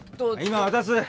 今渡す！